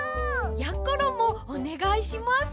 やころもおねがいします。